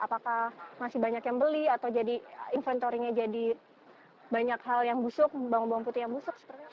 apakah masih banyak yang beli atau jadi inventory nya jadi banyak hal yang busuk bawang bawang putih yang busuk seperti apa